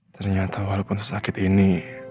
ternyata walaupun sakit ini